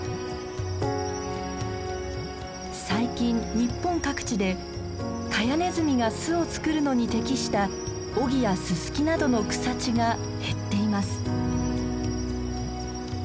最近日本各地でカヤネズミが巣を作るのに適したオギやススキなどの草地が減っています。